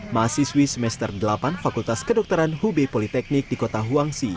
mahasiswi semester delapan fakultas kedokteran hubei politeknik di kota huangsi